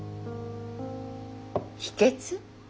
秘けつ？